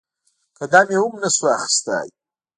قدم يې هم نسو اخيستى.